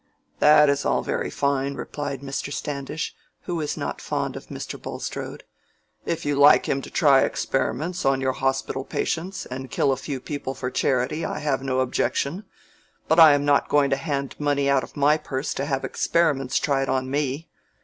"That is all very fine," replied Mr. Standish, who was not fond of Mr. Bulstrode; "if you like him to try experiments on your hospital patients, and kill a few people for charity I have no objection. But I am not going to hand money out of my purse to have experiments tried on me.